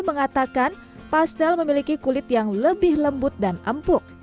mengatakan pastel memiliki kulit yang lebih lembut dan empuk